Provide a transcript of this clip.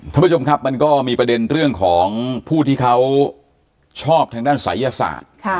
ท่านผู้ชมครับมันก็มีประเด็นเรื่องของผู้ที่เขาชอบทางด้านศัยศาสตร์